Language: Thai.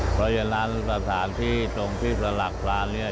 เพราะฉะนั้นสถานที่ตรงที่สลักปลาเนี่ย